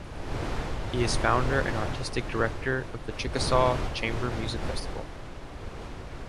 He is founder and artistic director of the Chickasaw Chamber Music Festival.